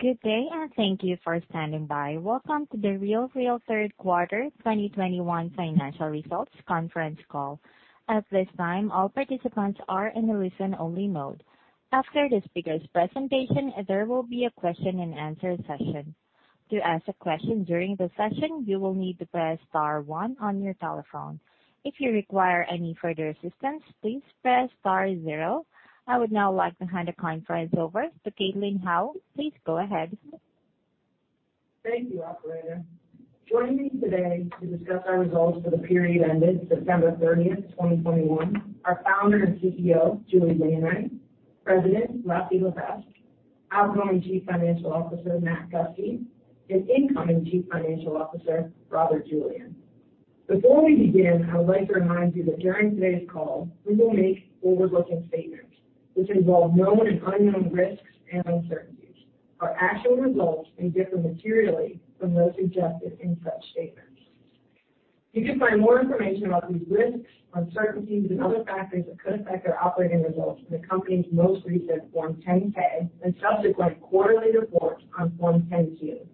Good day, and thank you for standing by. Welcome to The RealReal Third Quarter 2021 Financial Results Conference Call. At this time, all participants are in listen-only mode. After the speakers' presentation, there will be a question-and-answer session. To ask a question during the session, you will need to press star one on your telephone. If you require any further assistance, please press star zero. I would now like to hand the conference over to Caitlin Howe. Please go ahead. Thank you, operator. Joining me today to discuss our results for the period ended September 30th, 2021, are founder and CEO, Julie Wainwright, President, Rati Levesque, outgoing Chief Financial Officer, Matt Gustke, and incoming Chief Financial Officer, Robert Julian. Before we begin, I would like to remind you that during today's call, we will make forward-looking statements which involve known and unknown risks and uncertainties. Our actual results may differ materially from those suggested in such statements. You can find more information about these risks, uncertainties, and other factors that could affect our operating results in the company's most recent Form 10-K and subsequent quarterly reports on Form 10-Q.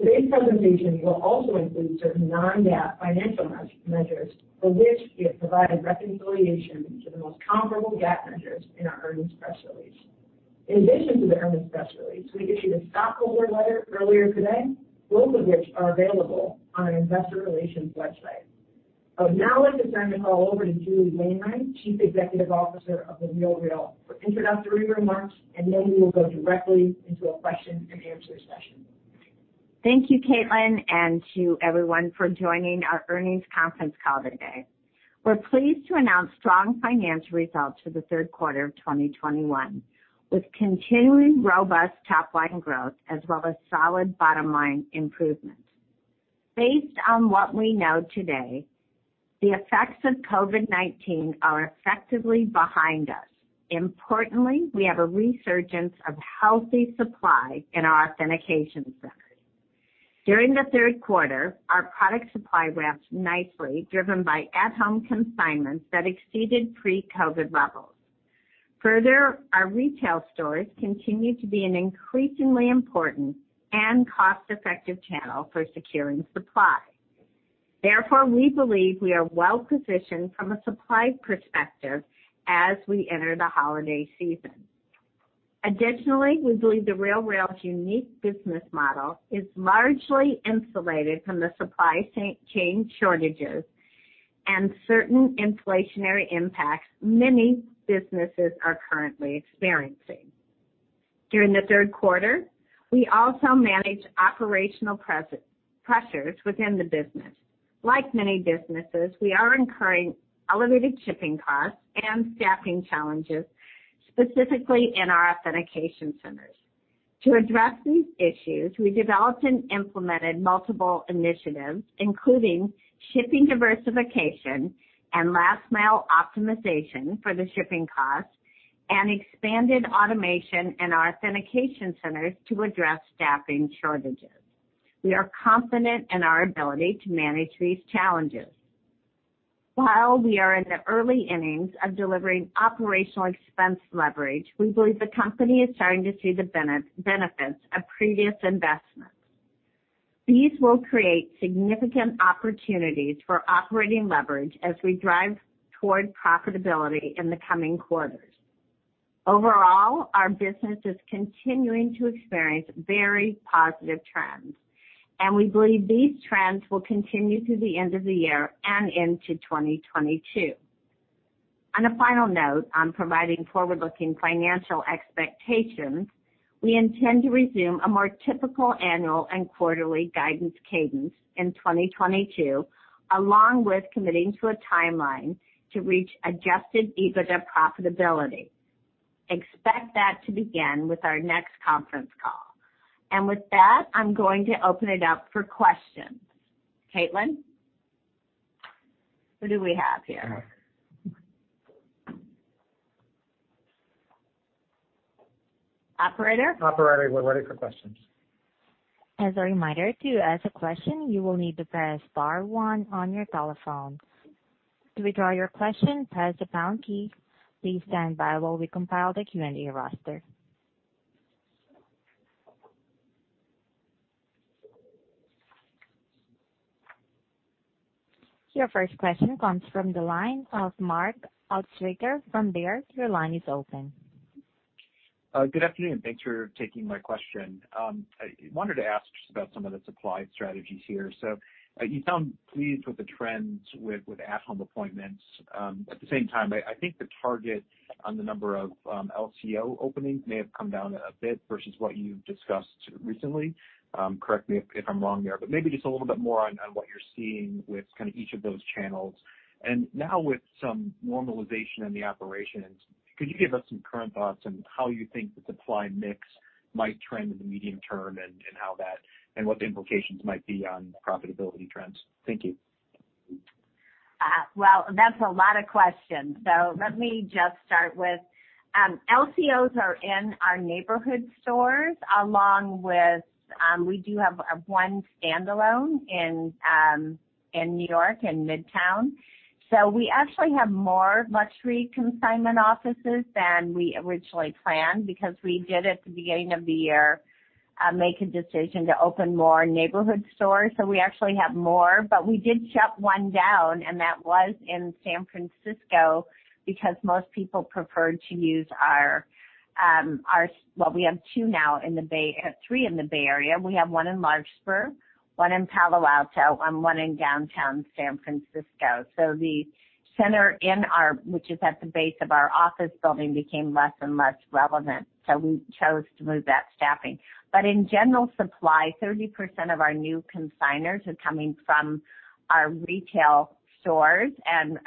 Today's presentation will also include certain non-GAAP financial measures for which we have provided reconciliation to the most comparable GAAP measures in our earnings press release. In addition to the earnings press release, we issued a stockholder letter earlier today, both of which are available on our investor relations website. I would now like to turn the call over to Julie Wainwright, Chief Executive Officer of The RealReal, for introductory remarks, and then we will go directly into a question-and-answer session. Thank you, Caitlin, and to everyone for joining our earnings conference call today. We're pleased to announce strong financial results for the third quarter of 2021, with continuing robust top line growth as well as solid bottom line improvement. Based on what we know today, the effects of COVID-19 are effectively behind us. Importantly, we have a resurgence of healthy supply in our authentication centers. During the third quarter, our product supply ramped nicely, driven by at-home consignments that exceeded pre-COVID levels. Further, our retail stores continue to be an increasingly important and cost-effective channel for securing supply. Therefore, we believe we are well-positioned from a supply perspective as we enter the holiday season. Additionally, we believe The RealReal's unique business model is largely insulated from the supply chain shortages and certain inflationary impacts many businesses are currently experiencing. During the third quarter, we also managed operational pressures within the business. Like many businesses, we are incurring elevated shipping costs and staffing challenges, specifically in our authentication centers. To address these issues, we developed and implemented multiple initiatives, including shipping diversification and last mile optimization for the shipping costs and expanded automation in our authentication centers to address staffing shortages. We are confident in our ability to manage these challenges. While we are in the early innings of delivering operational expense leverage, we believe the company is starting to see the benefits of previous investments. These will create significant opportunities for operating leverage as we drive toward profitability in the coming quarters. Overall, our business is continuing to experience very positive trends, and we believe these trends will continue through the end of the year and into 2022. On a final note on providing forward-looking financial expectations, we intend to resume a more typical annual and quarterly guidance cadence in 2022, along with committing to a timeline to reach adjusted EBITDA profitability. Expect that to begin with our next conference call. With that, I'm going to open it up for questions. Caitlin, who do we have here? Operator? Operator, we're ready for questions. As a reminder, to ask a question, you will need to press star one on your telephones. To withdraw your question, press the pound key. Please stand by while we compile the Q&A roster. Your first question comes from the line of Mark Altschwager from Baird. Your line is open. Good afternoon, and thanks for taking my question. I wanted to ask just about some of the supply strategies here. You sound pleased with the trends with at-home appointments. At the same time, I think the target on the number of LCO openings may have come down a bit versus what you've discussed recently. Correct me if I'm wrong there, but maybe just a little bit more on what you're seeing with kind of each of those channels. Now with some normalization in the operations, could you give us some current thoughts on how you think the supply mix might trend in the medium-term and what the implications might be on profitability trends? Thank you. Well, that's a lot of questions. Let me just start with LCOs in our neighborhood stores, along with we do have one standalone in New York in Midtown. We actually have more luxury consignment offices than we originally planned because we did at the beginning of the year make a decision to open more neighborhood stores. We actually have more, but we did shut one down, and that was in San Francisco, because most people preferred to use our. Well, we have three in the Bay Area. We have one in Larkspur, one in Palo Alto, and one in downtown San Francisco. The center which is at the base of our office building became less and less relevant, so we chose to move that staffing. In general supply, 30% of our new consignors are coming from our retail stores and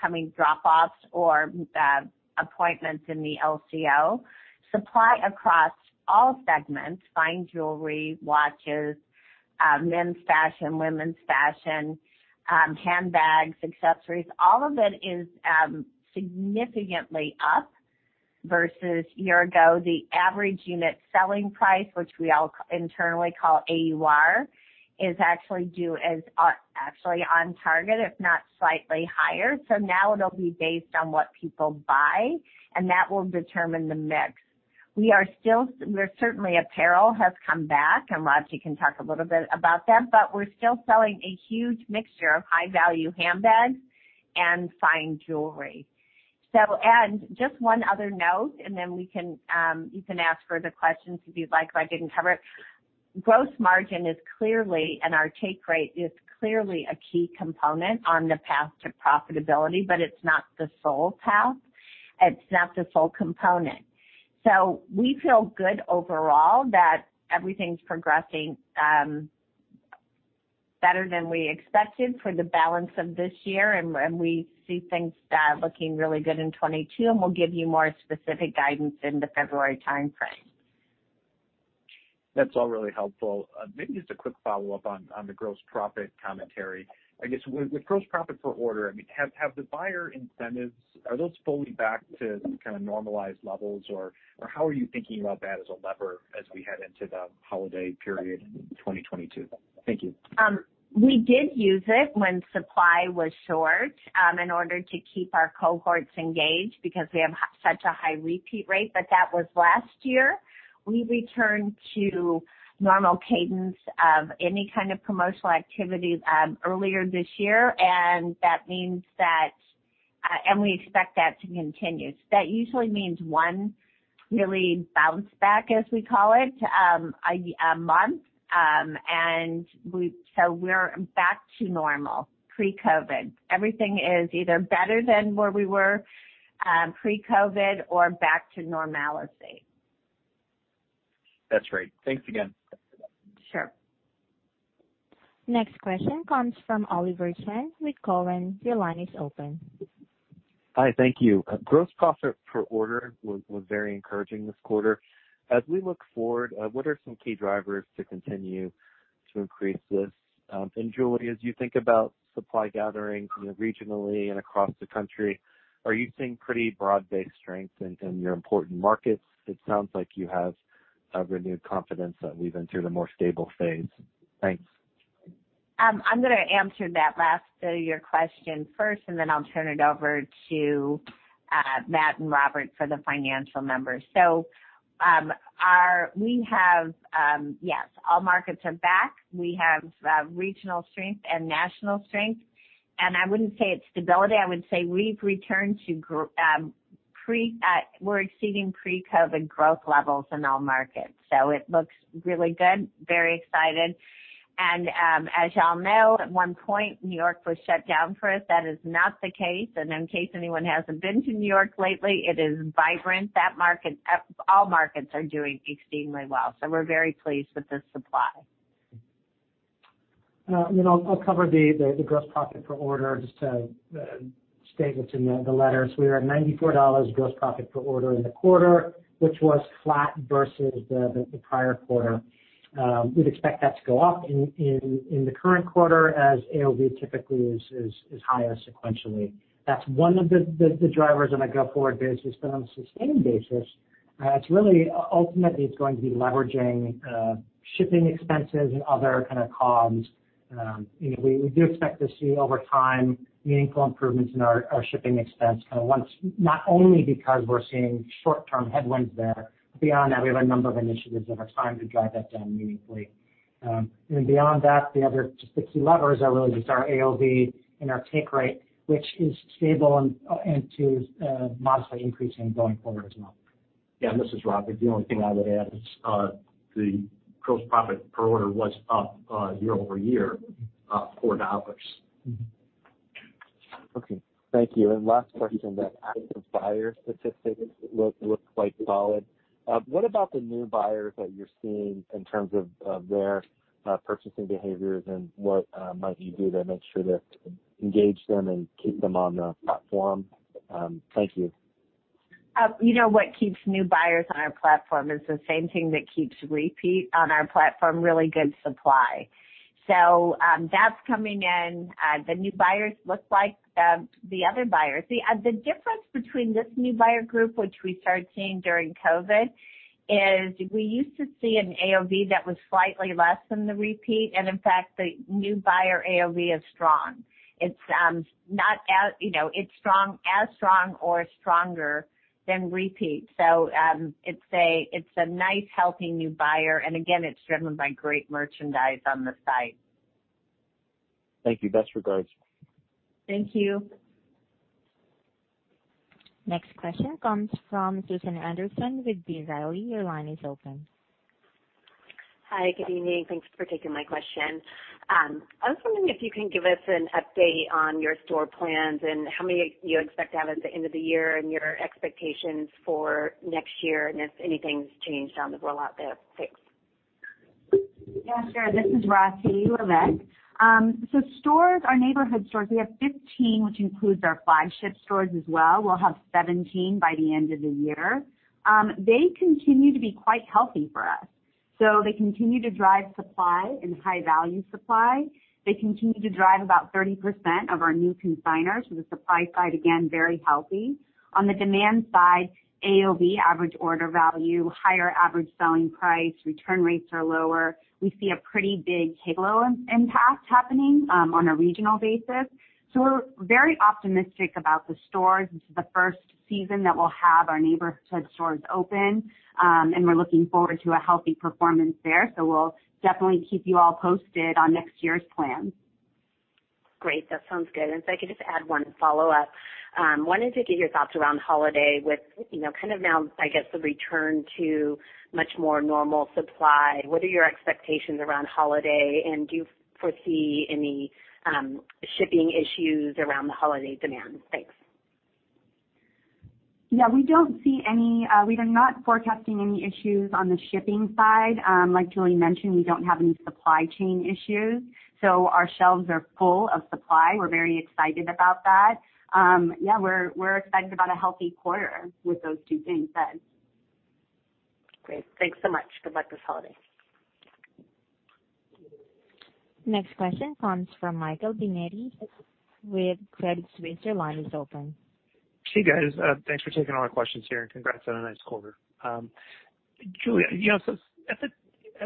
coming drop-offs or appointments in the LCO. Supply across all segments, fine jewelry, watches, men's fashion, women's fashion, handbags, accessories, all of it is significantly up versus year ago. The average unit selling price, which we all internally call AUR, is actually on target, if not slightly higher. Now it'll be based on what people buy, and that will determine the mix. Certainly apparel has come back, and Robby can talk a little bit about that, but we're still selling a huge mixture of high-value handbags and fine jewelry. Just one other note, and then you can ask further questions if you'd like, if I didn't cover it. Gross margin is clearly, and our take rate is clearly a key component on the path to profitability, but it's not the sole path. It's not the sole component. We feel good overall that everything's progressing better than we expected for the balance of this year, and we see things looking really good in 2022, and we'll give you more specific guidance in the February timeframe. That's all really helpful. Maybe just a quick follow-up on the gross profit commentary. I guess with gross profit per order, I mean, have the buyer incentives, are those fully back to kind of normalized levels? Or how are you thinking about that as a lever as we head into the holiday period in 2022? Thank you. We did use it when supply was short, in order to keep our cohorts engaged because we have such a high repeat rate, but that was last year. We returned to normal cadence of any kind of promotional activity earlier this year, and that means that, and we expect that to continue. That usually means one really bounce back, as we call it, a month. We're back to normal pre-COVID-19. Everything is either better than where we were pre-COVID-19 or back to normalcy. That's great. Thanks again. Sure. Next question comes from Oliver Chen with Cowen. Your line is open. Hi, thank you. Gross profit per order was very encouraging this quarter. As we look forward, what are some key drivers to continue to increase this? And Julie, as you think about supply gathering, you know, regionally and across the country, are you seeing pretty broad-based strength in your important markets? It sounds like you have a renewed confidence that we've entered a more stable phase. Thanks. I'm gonna answer that last, your question first, and then I'll turn it over to Matt and Robert for the financial numbers. We have, yes, all markets are back. We have regional strength and national strength. I wouldn't say it's stability. I would say we're exceeding pre-COVID growth levels in all markets. It looks really good. I'm very excited. As y'all know, at one point, New York was shut down for us. That is not the case. In case anyone hasn't been to New York lately, it is vibrant. That market, all markets are doing extremely well. We're very pleased with the supply. You know, I'll cover the gross profit per order just to state what's in the letters. We are at $94 gross profit per order in the quarter, which was flat versus the prior quarter. We'd expect that to go up in the current quarter as AOV typically is higher sequentially. That's one of the drivers on a go-forward basis. On a sustained basis, it's really, ultimately, it's going to be leveraging shipping expenses and other kind of costs. You know, we do expect to see over time meaningful improvements in our shipping expenses, not only because we're seeing short-term headwinds there. Beyond that, we have a number of initiatives that are trying to drive that down meaningfully. Beyond that, the other just the key levers are really just our AOV and our take rate, which is stable and modestly increasing going forward as well. Yeah, this is Robert. The only thing I would add is, the gross profit per order was up year-over-year $4. Mm-hmm. Okay. Thank you. Last question, the active buyer statistics look quite solid. What about the new buyers that you're seeing in terms of their purchasing behaviors and what might you do to make sure to engage them and keep them on the platform? Thank you. You know what keeps new buyers on our platform is the same thing that keeps repeat on our platform, really good supply. That's coming in. The new buyers look like the other buyers. The difference between this new buyer group, which we started seeing during COVID, is we used to see an AOV that was slightly less than the repeat. And in fact, the new buyer AOV is strong. It's not as, you know, it's strong, as strong or stronger than repeat. It's a nice healthy new buyer, and again, it's driven by great merchandise on the site. Thank you. Best regards. Thank you. Next question comes from Susan Anderson with B. Riley. Your line is open. Hi, good evening. Thanks for taking my question. I was wondering if you can give us an update on your store plans and how many you expect to have at the end of the year and your expectations for next year, and if anything's changed on the rollout there. Thanks. Yeah, sure. This is Rati Levesque. Stores, our neighborhood stores, we have 15, which includes our five ship stores as well. We'll have 17 by the end of the year. They continue to be quite healthy for us. They continue to drive supply and high value supply. They continue to drive about 30% of our new consignors. The supply side, again, very healthy. On the demand side, AOV, average order value, higher average selling price, return rates are lower. We see a pretty big halo impact happening on a regional basis. We're very optimistic about the stores. This is the first season that we'll have our neighborhood stores open, and we're looking forward to a healthy performance there. We'll definitely keep you all posted on next year's plan. Great. That sounds good. If I could just add one follow-up. Wanted to get your thoughts around holiday with, you know, kind of now, I guess, the return to much more normal supply. What are your expectations around holiday, and do you foresee any shipping issues around the holiday demand? Thanks. Yeah, we don't see any. We are not forecasting any issues on the shipping side. Like Julie mentioned, we don't have any supply chain issues, so our shelves are full of supply. We're very excited about that. Yeah, we're excited about a healthy quarter with those two things said. Great. Thanks so much. Good luck this holiday. Next question comes from Michael Binetti with Credit Suisse. Your line is open. Hey, guys, thanks for taking all our questions here, and congrats on a nice quarter. Julie, you know, so at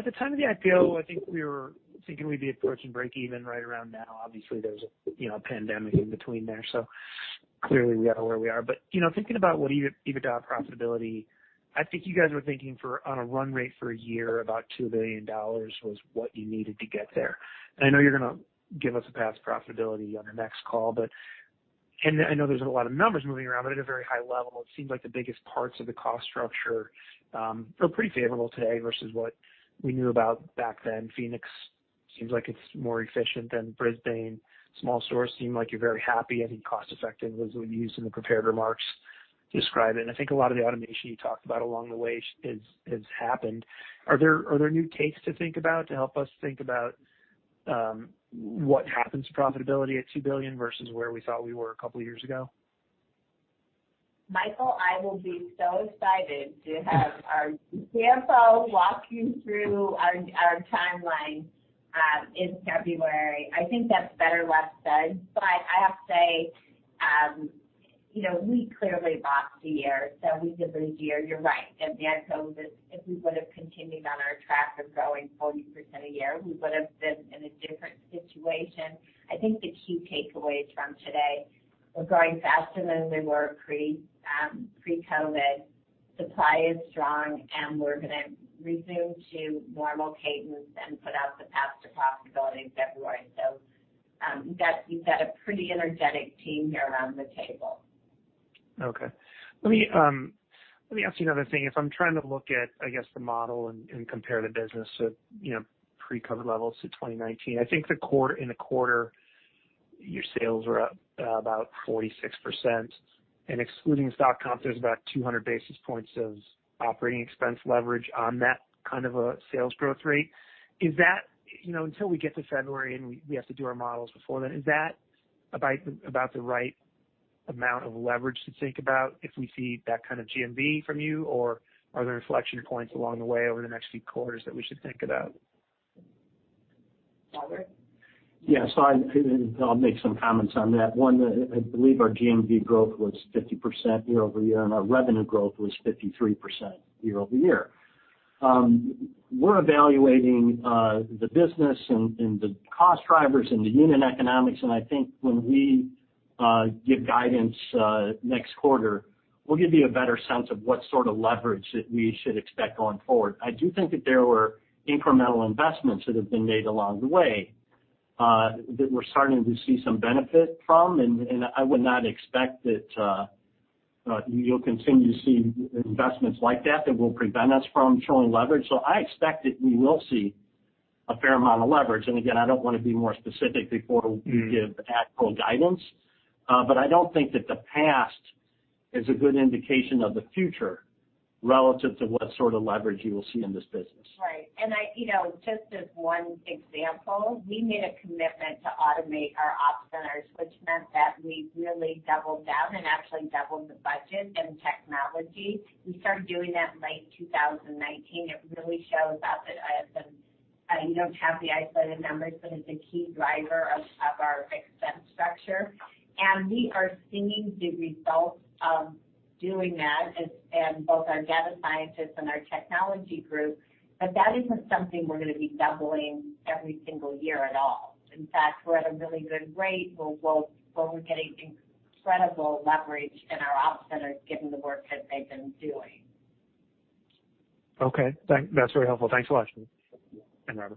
the time of the IPO, I think we were thinking we'd be approaching breakeven right around now. Obviously, there was you know, a pandemic in between there, so clearly we got to where we are. You know, thinking about what EBITDA profitability, I think you guys were thinking for on a run rate for a year, about $2 billion was what you needed to get there. I know you're gonna give us a path to profitability on the next call, but and I know there's a lot of numbers moving around, but at a very high level, it seems like the biggest parts of the cost structure feel pretty favorable today versus what we knew about back then. Phoenix seems like it's more efficient than Brisbane. Small stores seem like you're very happy. I think cost-effective was what you used in the prepared remarks to describe it. I think a lot of the automation you talked about along the way has happened. Are there new takes to think about to help us think about what happens to profitability at 2 billion versus where we thought we were a couple of years ago? Michael, I will be so excited to have our CFO walk you through our timeline in February. I think that's better left said, but I have to say, you know, we clearly lost a year, so we did lose a year. You're right. At the end of COVID, if we would've continued on our track of growing 40% a year, we would've been in a different situation. I think the key takeaways from today, we're growing faster than we were pre-COVID. Supply is strong, and we're gonna resume to normal cadence and put out the path to profitability in February. You've got a pretty energetic team here around the table. Okay. Let me ask you another thing. If I'm trying to look at, I guess, the model and compare the business to, you know, pre-COVID levels to 2019. I think in the quarter, your sales were up about 46%. Excluding stock comp, there's about 200 basis points of operating expense leverage on that kind of a sales growth rate. Is that, you know, until we get to February, and we have to do our models before then, about the right amount of leverage to think about if we see that kind of GMV from you? Or are there inflection points along the way over the next few quarters that we should think about? Robert? Yeah. I'll make some comments on that. One, I believe our GMV growth was 50% year-over-year, and our revenue growth was 53% year-over-year. We're evaluating the business and the cost drivers and the unit economics, and I think when we give guidance next quarter, we'll give you a better sense of what sort of leverage that we should expect going forward. I do think that there were incremental investments that have been made along the way that we're starting to see some benefit from. I would not expect that you'll continue to see investments like that that will prevent us from showing leverage. I expect that we will see a fair amount of leverage. Again, I don't wanna be more specific before we give actual guidance. I don't think that the past is a good indication of the future. Relative to what sort of leverage you will see in this business. Right. I, you know, just as one example, we made a commitment to automate our op centers, which meant that we really doubled down and actually doubled the budget and technology. We started doing that in late 2019. It really shows up, you don't have the isolated numbers, but it's a key driver of our expense structure. We are seeing the results of doing that as in both our data scientists and our technology group. That isn't something we're gonna be doubling every single year at all. In fact, we're at a really good rate where we're getting incredible leverage in our op centers given the work that they've been doing. Okay. That's very helpful. Thanks so much. Bye-bye.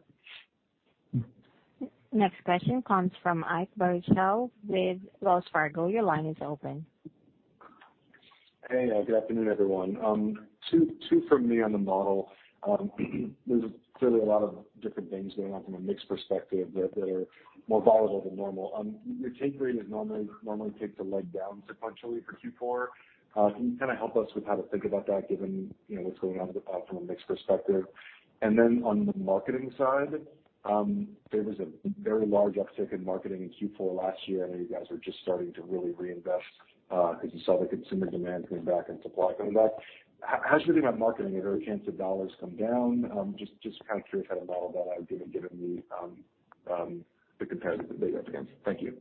Next question comes from Ike Boruchow with Wells Fargo. Your line is open. Hey. Good afternoon, everyone. Two from me on the model. There's clearly a lot of different things going on from a mix perspective that are more volatile than normal. Your take rate normally takes a leg down sequentially for Q4. Can you kinda help us with how to think about that given, you know, what's going on with the platform mix perspective? And then on the marketing side, there was a very large uptick in marketing in Q4 last year. I know you guys are just starting to really reinvest, 'cause you saw the consumer demand coming back and supply coming back. How should we think about marketing? Is there a chance the dollars come down? Just kinda curious how to model that out given the competitive data against. Thank you.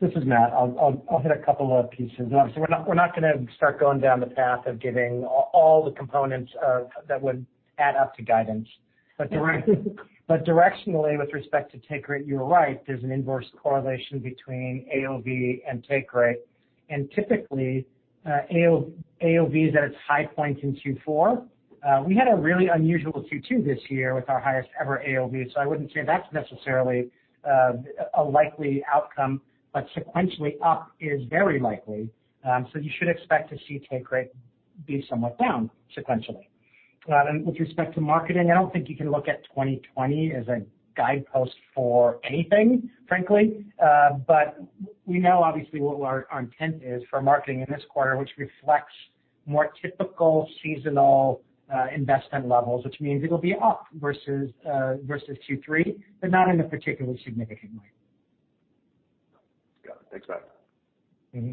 This is Matt. I'll hit a couple of pieces. We're not gonna start going down the path of giving all the components of that would add up to guidance. Directionally, with respect to take rate, you're right, there's an inverse correlation between AOV and take rate. Typically, AOV is at its high point in Q4. We had a really unusual Q2 this year with our highest ever AOV, so I wouldn't say that's necessarily a likely outcome. Sequentially up is very likely, so you should expect to see take rate be somewhat down sequentially. Then with respect to marketing, I don't think you can look at 2020 as a guidepost for anything, frankly. We know obviously what our intent is for marketing in this quarter, which reflects more typical seasonal investment levels, which means it'll be up versus Q3, but not in a particularly significant way. Got it. Thanks, Matt. Mm-hmm.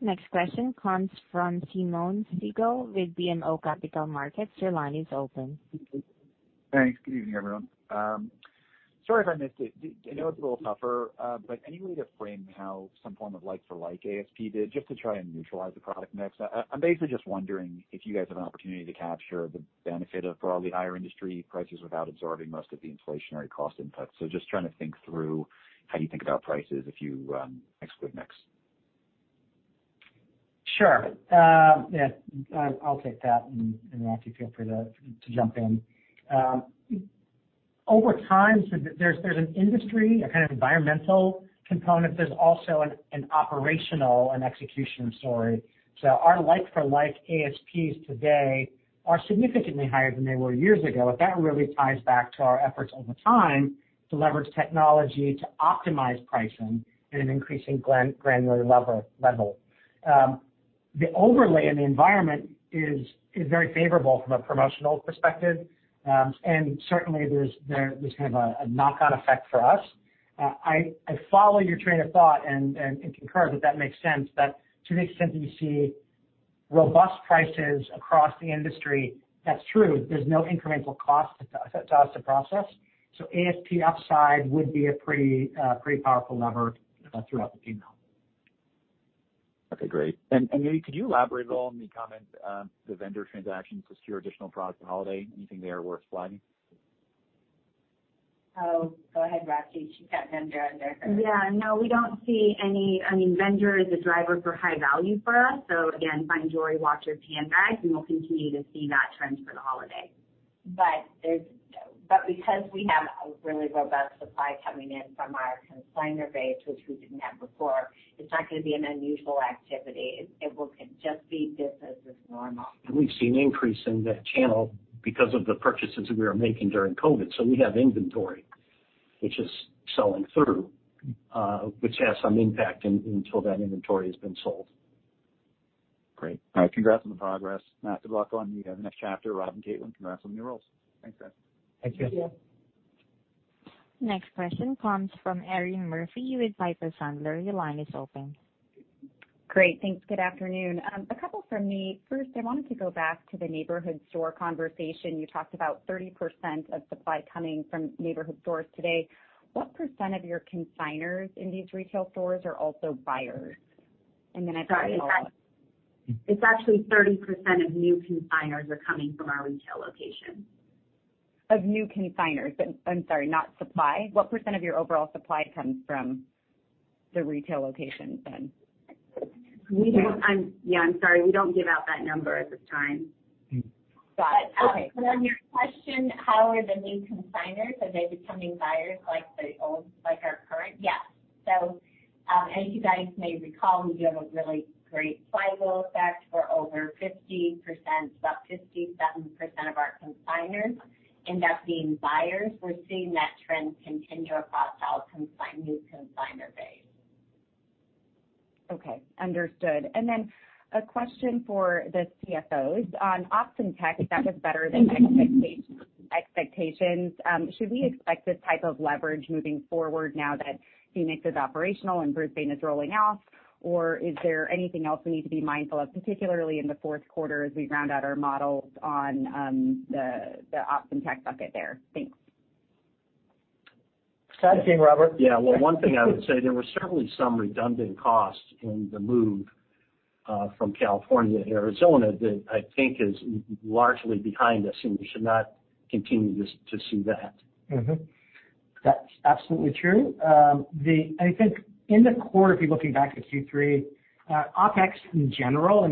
Next question comes from Simeon Siegel with BMO Capital Markets. Your line is open. Thanks. Good evening, everyone. Sorry if I missed it. I know it's a little tougher, but any way to frame how some form of like-for-like ASP did just to try and neutralize the product mix? I'm basically just wondering if you guys have an opportunity to capture the benefit of probably higher industry prices without absorbing most of the inflationary cost inputs. Just trying to think through how you think about prices if you exclude mix. Sure. Yeah, I'll take that, and Rati, feel free to jump in. Over time, there's an industry, a kind of environmental component. There's also an operational and execution story. Our like-for-like ASPs today are significantly higher than they were years ago, but that really ties back to our efforts over time to leverage technology, to optimize pricing at an increasing granular level. The overlay in the environment is very favorable from a promotional perspective. Certainly there's kind of a knockout effect for us. I follow your train of thought and concur that makes sense. To the extent that you see robust prices across the industry, that's true. There's no incremental cost to us to process. ASP upside would be a pretty powerful lever throughout the P&L. Okay, great. Maybe you could elaborate a little on the comment, the vendor transactions to secure additional products for holiday? Anything there worth flagging? Oh, go ahead, Rati. She's got vendor under her. Yeah. No, we don't see any. I mean, vendor is a driver for high value for us. Again, fine jewelry, watches, handbags, and we'll continue to see that trend for the holiday. Because we have a really robust supply coming in from our consignor base, which we didn't have before, it's not gonna be an unusual activity. It will just be business as normal. We've seen an increase in that channel because of the purchases we were making during COVID-19. We have inventory which is selling through, which has some impact until that inventory has been sold. Great. All right. Congrats on the progress, Matt. Good luck on the next chapter. Rob and Caitlin, congrats on the new roles. Thanks, guys. Thank you. Thank you. Next question comes from Erinn Murphy with Piper Sandler. Your line is open. Great. Thanks. Good afternoon. A couple from me. First, I wanted to go back to the neighborhood store conversation. You talked about 30% of supply coming from neighborhood stores today. What percent of your consignors in these retail stores are also buyers? Then I- Sorry. It's actually 30% of new consignors are coming from our retail location. Of new consignors. I'm sorry, not supply. What percent of your overall supply comes from the retail locations then? Yeah, I'm sorry. We don't give out that number at this time. Got it. Okay. On your question, how are the new consignors, are they becoming buyers like the old, like our current? Yes. As you guys may recall, we have a really great flywheel effect for over 50%, about 57% of our consignors end up being buyers. We're seeing that trend continue across our new consignor base. Okay, understood. Then a question for the CFOs. On OpTech, that was better than expectations. Should we expect this type of leverage moving forward now that Phoenix is operational and grouping is rolling out? Or is there anything else we need to be mindful of, particularly in the fourth quarter as we round out our models on the OpTech bucket there? Thanks. Start with you, Robert. Yeah. Well, one thing I would say, there were certainly some redundant costs in the move from California to Arizona that I think is largely behind us, and we should not continue to see that. That's absolutely true. I think in the quarter, if you're looking back to Q3, OpEx in general,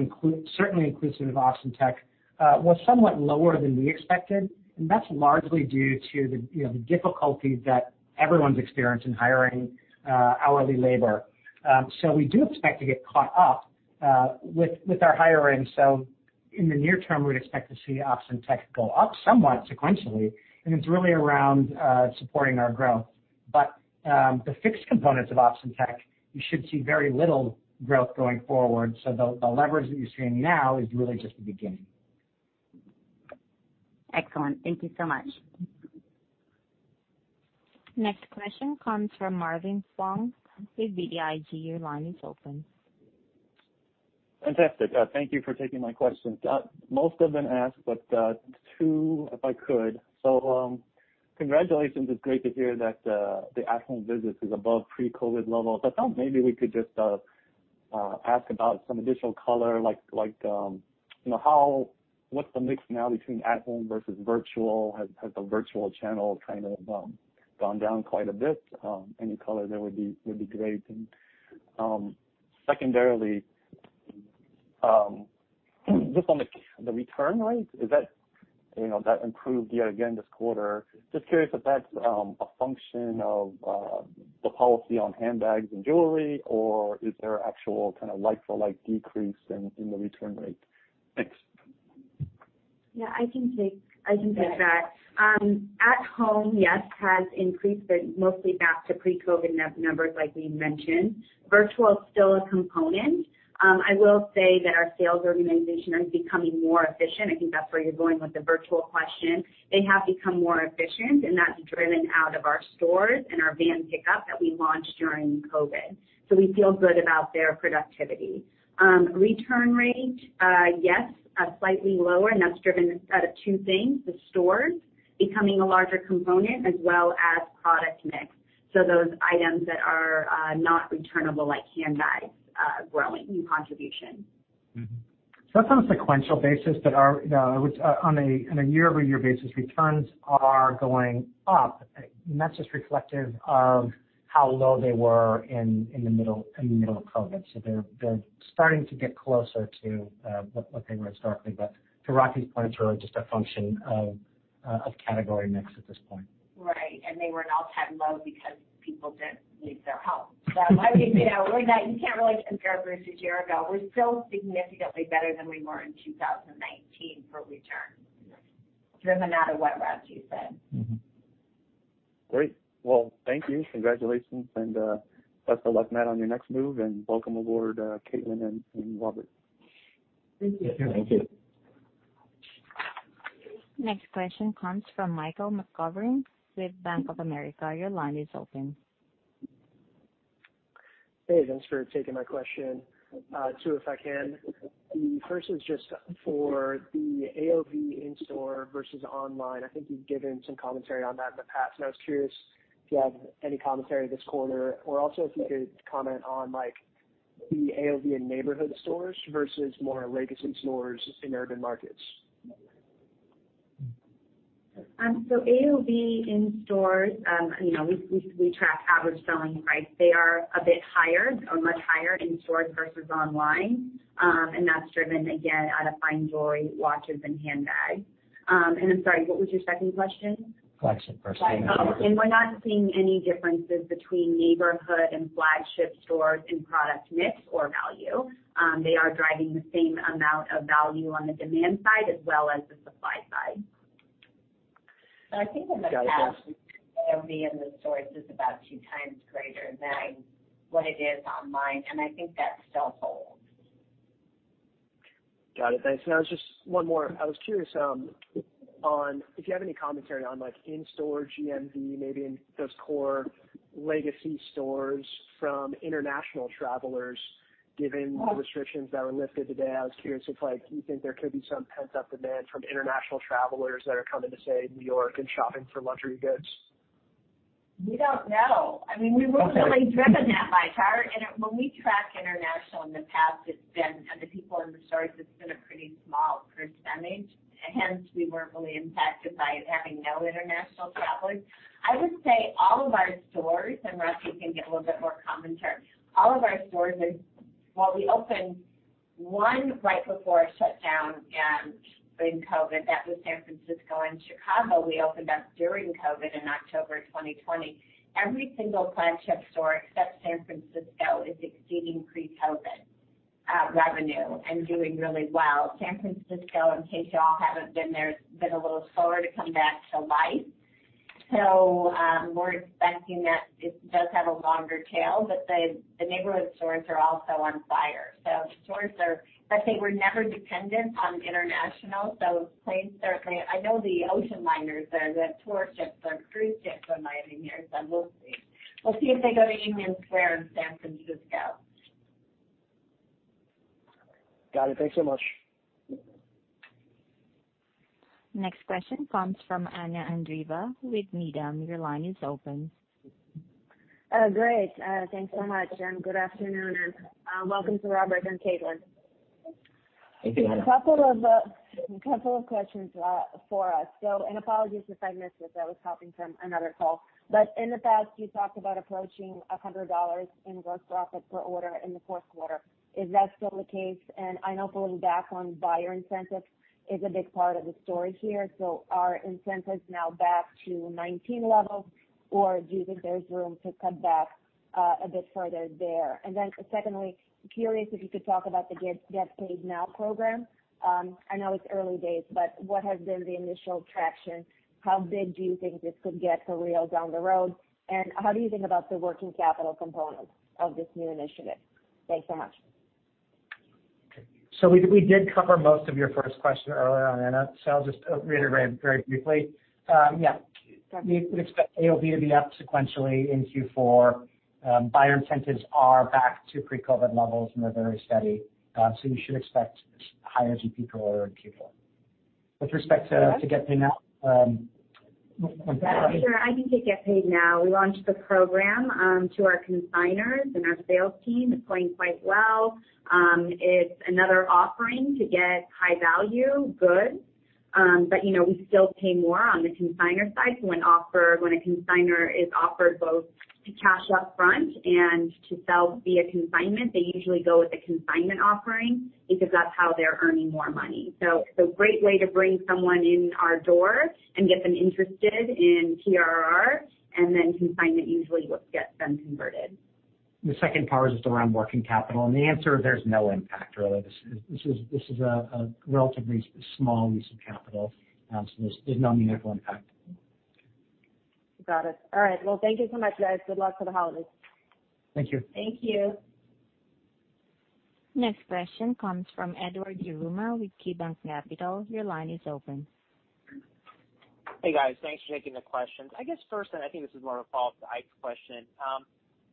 certainly inclusive of OpTech, was somewhat lower than we expected, and that's largely due to the, you know, the difficulty that everyone's experienced in hiring hourly labor. We do expect to get caught up with our hiring. In the near-term, we'd expect to see OpTech go up somewhat sequentially, and it's really around supporting our growth. The fixed components of OpTech, you should see very little growth going forward. The leverage that you're seeing now is really just the beginning. Excellent. Thank you so much. Next question comes from Marvin Fong with BTIG. Your line is open. Fantastic. Thank you for taking my questions. Most have been asked, but two if I could. Congratulations, it's great to hear that the at home business is above pre-COVID levels. I thought maybe we could just ask about some additional color, like you know how what's the mix now between at home versus virtual. Has the virtual channel kind of gone down quite a bit. Any color there would be great. Secondarily, just on the return rate, is that improved yet again this quarter. Just curious if that's a function of the policy on handbags and jewelry, or is there actual kind of like-for-like decrease in the return rate. Thanks. Yeah, I can take that. At home, yes, has increased, but mostly back to pre-COVID new normals like we mentioned. Virtual is still a component. I will say that our sales organization is becoming more efficient. I think that's where you're going with the virtual question. They have become more efficient, and that's driven out of our stores and our van pickup that we launched during COVID. We feel good about their productivity. Return rate, yes, slightly lower, and that's driven out of two things, the stores becoming a larger component as well as product mix. Those items that are not returnable, like handbags, growing in contribution. That's on a sequential basis, but our returns, which on a year-over-year basis, are going up. That's just reflective of how low they were in the middle of COVID-19. They're starting to get closer to what they were historically. To Rati's point, it's really just a function of category mix at this point. Right. They were an all-time low because people didn't leave their house. I mean, you know, you can't really compare versus year ago. We're still significantly better than we were in 2019 for returns. Yes. Driven out of what Rati said. Mm-hmm. Great. Well, thank you. Congratulations and best of luck, Matt, on your next move, and welcome aboard, Caitlin and Robert. Thank you. Thank you. Next question comes from Michael McGovern with Bank of America. Your line is open. Hey, thanks for taking my question. Two, if I can. The first is just for the AOV in-store versus online. I think you've given some commentary on that in the past, and I was curious if you have any commentary this quarter or also if you could comment on, like, the AOV in neighborhood stores versus more legacy stores in urban markets? AOV in stores, you know, we track average selling price. They are a bit higher or much higher in stores versus online. That's driven again out of fine jewelry, watches, and handbags. I'm sorry, what was your second question? Flagship versus neighborhood. Oh, we're not seeing any differences between neighborhood and flagship stores in product mix or value. They are driving the same amount of value on the demand side as well as the supply side. I think in the past. Got it. Yes. AOV in the stores is about two times greater than what it is online, and I think that still holds. Got it. Thanks. One more. I was curious on if you have any commentary on, like, in-store GMV, maybe in those core legacy stores from international travelers, given the restrictions that were lifted today. I was curious if, like, you think there could be some pent-up demand from international travelers that are coming to, say, New York and shopping for luxury goods. We don't know. I mean, we weren't really driven that by that. When we tracked international in the past, it's been, of the people in the stores, it's been a pretty small percentage. Hence, we weren't really impacted by having no international travelers. I would say all of our stores, and Rati can give a little bit more commentary, all of our stores are. Well, we opened one right before shutdown in COVID. That was San Francisco. In Chicago, we opened up during COVID in October 2020. Every single flagship store except San Francisco is exceeding pre-COVID revenue and doing really well. San Francisco, in case you all haven't been there, has been a little slower to come back to life. We're expecting that it does have a longer tail, but the neighborhood stores are also on fire. The stores are. They were never dependent on international, so planes certainly. I know the ocean liners or the tour ships or cruise ships are arriving here, so we'll see. We'll see if they go to Union Square in San Francisco. Got it. Thanks so much. Next question comes from Anna Andreeva with Needham. Your line is open. Great. Thanks so much, and good afternoon, and welcome to Robert and Caitlin. Thank you. A couple of questions for us. Apologies if I missed this, I was hopping from another call. In the past, you talked about approaching $100 in gross profit per order in the fourth quarter. Is that still the case? I know pulling back on buyer incentives is a big part of the story here. Are incentives now back to 2019 levels, or do you think there's room to cut back a bit further there? Secondly, I'm curious if you could talk about the Get Paid Now program. I know it's early days, but what has been the initial traction? How big do you think this could get for Real down the road? How do you think about the working capital component of this new initiative? Thanks so much. We did cover most of your first question earlier on, Anna, so I'll just reiterate very briefly. Yeah. Got it. We would expect AOV to be up sequentially in Q4. Buyer incentives are back to pre-COVID levels, and they're very steady. You should expect higher GP per order in Q4. With respect to Get Paid Now... Sure, I can take Get Paid Now. We launched the program to our consignors and our sales team. It's going quite well. It's another offering to get high value goods. But, you know, we still pay more on the consignor side, so when a consignor is offered both to cash up front and to sell via consignment, they usually go with the consignment offering because that's how they're earning more money. It's a great way to bring someone in our door and get them interested in TRR, and then consignment usually is what gets them converted. The second part was just around working capital, and the answer, there's no impact, really. This is a relatively small use of capital. There's no meaningful impact. Got it. All right. Well, thank you so much, guys. Good luck for the holidays. Thank you. Thank you. Next question comes from Edward Yruma with KeyBanc Capital. Your line is open. Hey, guys. Thanks for taking the questions. I guess first, I think this is more of a follow-up to Ike's question.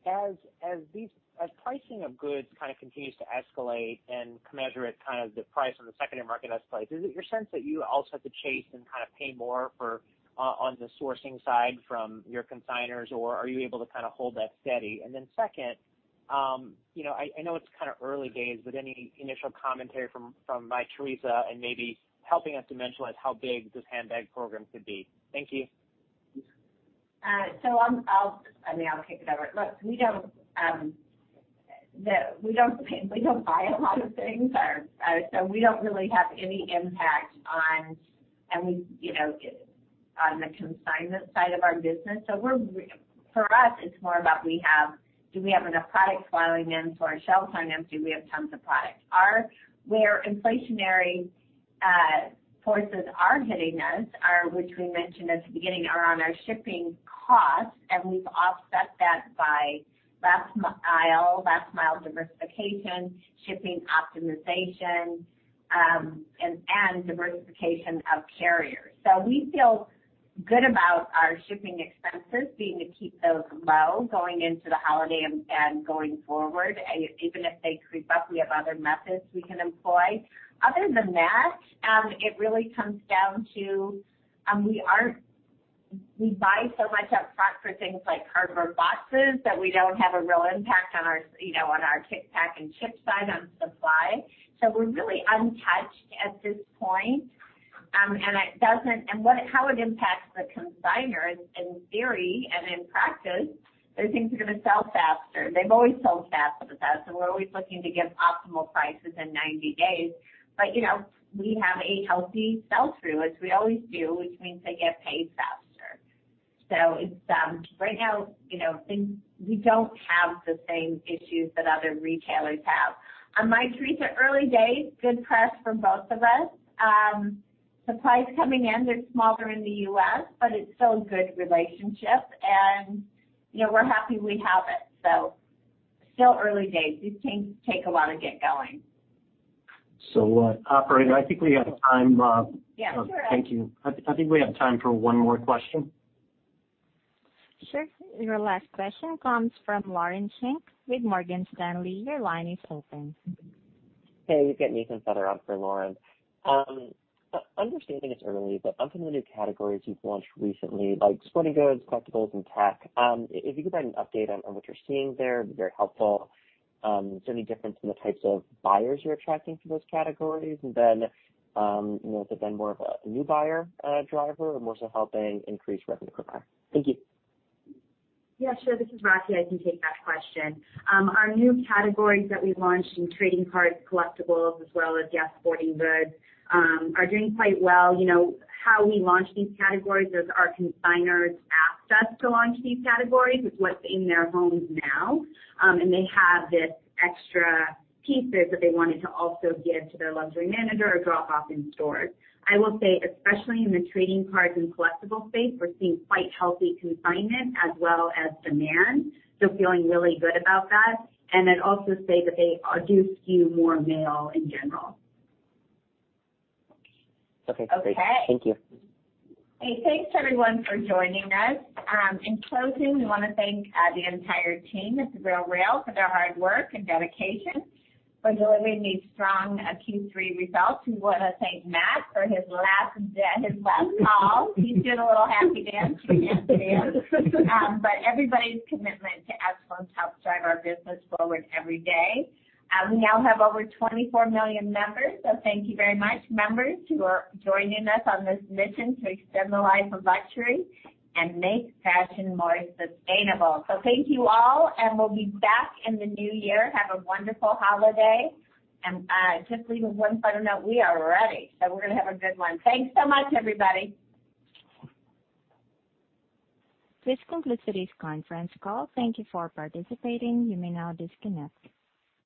As pricing of goods kind of continues to escalate and commensurate kind of the price on the secondary marketplace, is it your sense that you also have to chase and kind of pay more for, on the sourcing side from your consignors, or are you able to kind of hold that steady? Second, you know, I know it's kinda early days, but any initial commentary from Mytheresa and maybe helping us dimensionalize how big this handbag program could be. Thank you. I'll kick it over. Look, we don't pay. We don't buy a lot of things, so we don't really have any impact on, and we, you know, on the consignment side of our business. For us, it's more about do we have enough product flowing in so our shelves aren't empty. Do we have tons of product. Where inflationary forces are hitting us are, which we mentioned at the beginning, are on our shipping costs, and we've offset that by last mile diversification, shipping optimization, and diversification of carriers. We feel good about our shipping expenses, being to keep those low going into the holiday and going forward. Even if they creep up, we have other methods we can employ. Other than that, it really comes down to, we buy so much upfront for things like cardboard boxes that we don't have a real impact on our, you know, on our pick, pack, and ship side on supply. We're really untouched at this point, and how it impacts the consignors in theory and in practice, those things are gonna sell faster. They've always sold fast with us, and we're always looking to give optimal prices in 90 days. You know, we have a healthy sell-through, as we always do, which means they get paid faster. Right now, you know, we don't have the same issues that other retailers have. On Mytheresa, early days, good press from both of us. Supplies coming in, they're smaller in the U.S., but it's still a good relationship, and, you know, we're happy we have it. Still early days. These things take a while to get going. Operator, I think we have time. Sure. Thank you. I think we have time for one more question. Sure. Your last question comes from Lauren Schenk with Morgan Stanley. Your line is open. [Hey, this is Ethan on for Lauren]Understanding it's early, but on some of the new categories you've launched recently, like sporting goods, collectibles, and tech, if you could provide an update on what you're seeing there, it'd be very helpful. Is there any difference in the types of buyers you're attracting for those categories? You know, is it then more of a new buyer driver or more so helping increase revenue per buyer? Thank you. Yeah, sure. This is Rati. I can take that question. Our new categories that we've launched in trading cards, collectibles, as well as, yes, sporting goods, are doing quite well. You know, how we launch these categories is our consignors ask us to launch these categories. It's what's in their homes now, and they have these extra pieces that they wanted to also give to their luxury manager or drop off in stores. I will say, especially in the trading cards and collectibles space, we're seeing quite healthy consignment as well as demand, so feeling really good about that. I'd also say that they do skew more male in general. Okay, great. Okay. Thank you. Hey, thanks, everyone, for joining us. In closing, we wanna thank the entire team at The RealReal for their hard work and dedication, for delivering these strong Q3 results. We wanna thank Matt for his last call. He's doing a little happy dance from his studio. But everybody's commitment to excellence helps drive our business forward every day. We now have over 24 million members, so thank you very much, members, who are joining us on this mission to extend the life of luxury and make fashion more sustainable. Thank you all, and we'll be back in the new year. Have a wonderful holiday. Just leaving one final note, we are ready, so we're gonna have a good one. Thanks so much, everybody. This concludes today's conference call. Thank you for participating. You may now disconnect.